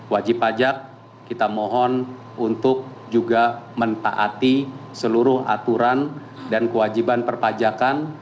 wajib pajak kita mohon untuk juga mentaati seluruh aturan dan kewajiban perpajakan